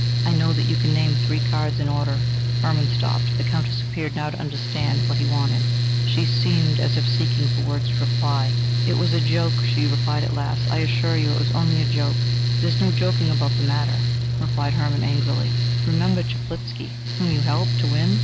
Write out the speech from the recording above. I know that you can name three cards in order " Hermann stopped. The Countess appeared now to understand what he wanted; she seemed as if seeking for words to reply. "It was a joke," she replied at last: "I assure you it was only a joke." "There is no joking about the matter," replied Hermann angrily. "Remember Chaplitzky, whom you helped to win."